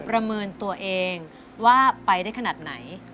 ประเมินตัวเองว่าไปได้ขนาดไหน